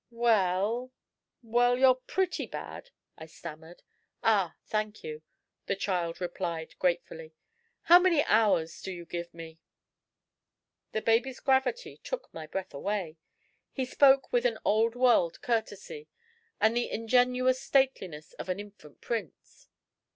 "Well well, you're pretty bad," I stammered. "Ah! thank you," the child replied gratefully. "How many hours do you give me?" The baby's gravity took my breath away. He spoke with an old world courtesy and the ingenuous stateliness of an infant prince.